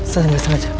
saya ingat sama aja